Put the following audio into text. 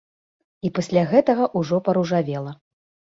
І пасля гэтага ўжо паружавела.